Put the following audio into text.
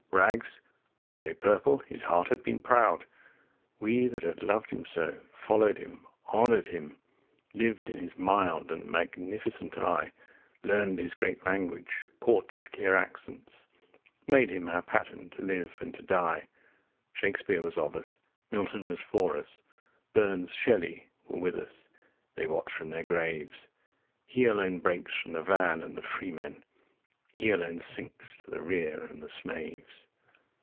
Rags were they purple, his heart had been proud! We that had loved him so, followed him, honored him, Lived in his mild and magnificent eye, 10 Learned his great language, caught his clear accents, Made him our pattern to live and to die! Shakespeare was of us, Milton was for us, Burns, Shelley, were with us they watch from their graves! He alone breaks from the van and the freemen, 15 He alone sinks to the rear and the slaves!